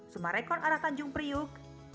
sumarekon arak tanjung priuk